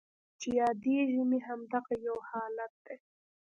چې یادیږي مې همدغه یو حالت دی